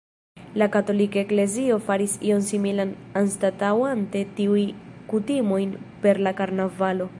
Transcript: La katolika eklezio faris ion similan anstataŭante tiujn kutimojn per la karnavalo.